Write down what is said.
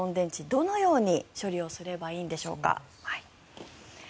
どのように処理をすればいいんでしょうか。